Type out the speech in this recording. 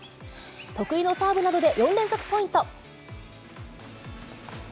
得意のサーブなどで４連続ポイント。